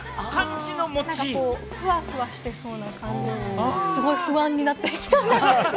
なんかふわふわしてそうな感じ、すごい不安になってきた。